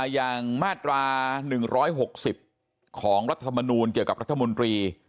อย่างมาตรา๑๖๐ของรัฐมนูลเกี่ยวกับรัฐมนตรี